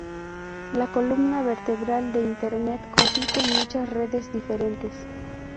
La "columna vertebral" de Internet consiste en muchas redes diferentes.